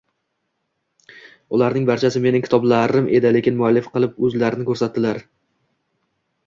ularning barchasi mening kitoblarim edi, lekin muallif qilib o'zlarini ko'rsatdilar.